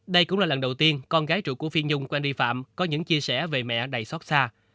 đây cũng là lần đầu tiên con gái trụ của phi nhung quang ri phạm có những chia sẻ về mẹ đầy xót xa